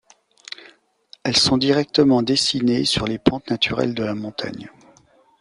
Elles sont directement dessinées sur les pentes naturelles de la montagne.